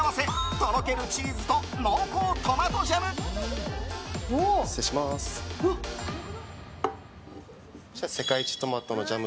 とろけるチーズと濃厚トマトジャム。